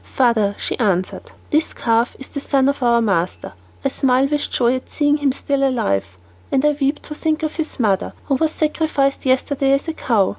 "Father," she answered, "this calf is the son of our master. I smile with joy at seeing him still alive, and I weep to think of his mother, who was sacrificed yesterday as a cow.